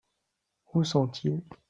Où sont-ils ?